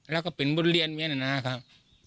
แล้วก็เป็นบริเวณเมียนานะครับ